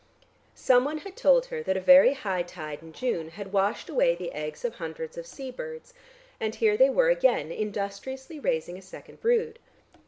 Someone had told her that a very high tide in June had washed away the eggs of hundreds of sea birds, and here they were again industriously raising a second brood....